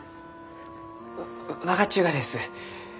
わ分かっちゅうがです。